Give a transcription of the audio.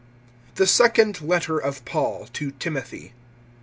THE SECOND LETTER OF PAUL TO TIMOTHY.